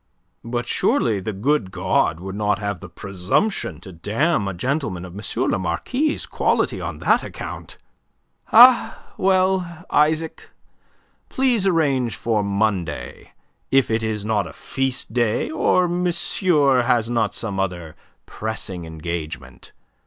"But surely the good God would not have the presumption to damn a gentleman of M. le Marquis' quality on that account? Ah, well, Isaac, please arrange for Monday, if it is not a feast day or monsieur has not some other pressing engagement.